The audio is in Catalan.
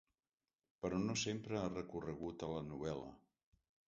Però no sempre ha recorregut a la novel·la.